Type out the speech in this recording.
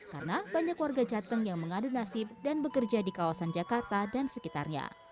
karena banyak warga jateng yang mengadu nasib dan bekerja di kawasan jakarta dan sekitarnya